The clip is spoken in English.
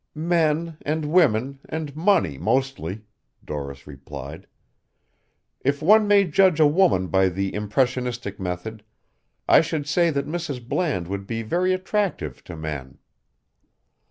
"Men and women and money mostly," Doris replied. "If one may judge a woman by the impressionistic method, I should say that Mrs. Bland would be very attractive to men."